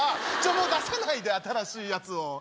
もう出さないで新しいやつを。